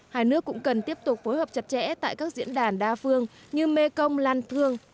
hai nước cũng cần tiếp tục phối hợp chặt chẽ tại các diễn đàn đa phương như mekong lan thương